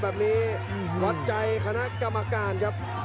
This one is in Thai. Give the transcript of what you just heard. แบบนี้วัดใจคณะกรรมการครับ